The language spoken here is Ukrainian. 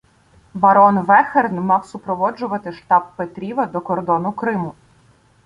Барон Вехерн мав супроводжувати штаб Петріва до кордону Криму.